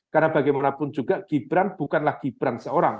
karena bagaimanapun juga gibran bukanlah gibran seorang